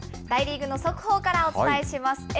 大リーグの速報からお伝えします。